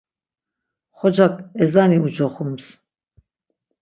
Xocak ezani ucoxums.